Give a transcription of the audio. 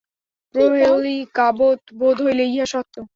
প্রহেলিকাবৎ বোধ হইলেও ইহা সত্য।